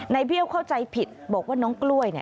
เบี้ยวเข้าใจผิดบอกว่าน้องกล้วย